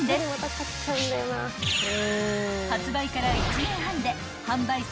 ［発売から１年半で販売数